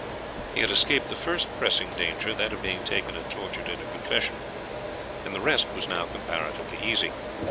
He had escaped the first pressing danger, that of being taken and tortured into confession, and the rest was now comparatively easy.